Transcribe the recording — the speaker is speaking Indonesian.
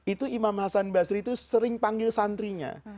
itu imam hasan basri itu sering panggil santrinya